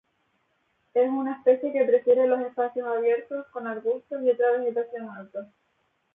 Es una especie que prefiere los espacios abiertos con arbustos y otra vegetación alta.